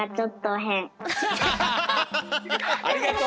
ありがとう。